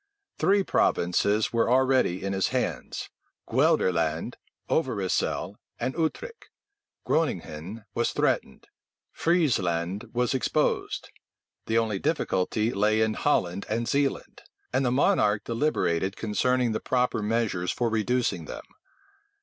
Three provinces were already in his hands, Guelderland, Overyssel, and Utrecht; Groninghen was threatened; Friezeland was exposed: the only difficulty lay in Holland and Zealand; and the monarch deliberated concerning the proper measures for reducing them.